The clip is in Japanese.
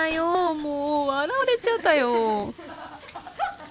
もう笑われちゃったよ